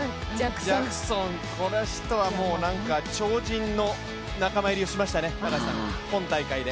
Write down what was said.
ジャクソン、この人はもう、なんか超人の仲間入りをしましたね、今大会で。